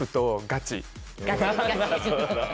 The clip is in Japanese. ガチ？